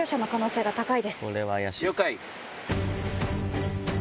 了解。